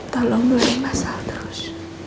tolong lu yang masalah terus